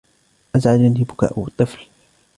أزعجني بكاء الطفل.